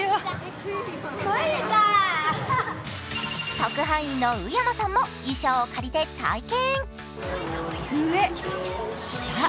特派員の宇山さんも衣装を借りて体験。